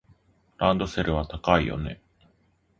ランドセルは高いよね。